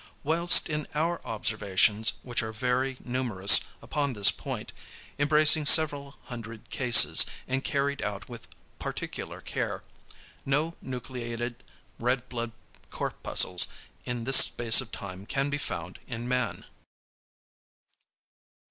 Whilst in our observations, which are very numerous upon this point, embracing several hundred cases, and carried out with particular care, no nucleated red blood corpuscles in this space of time can be found in man.